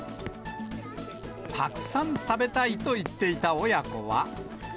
たくさん食べたいと言っていた親子は。